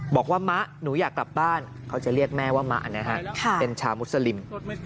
บอกว่ามะหนูอยากกลับบ้านเขาจะเรียกแม่ว่ามะนะฮะเป็นชาวมุสลิม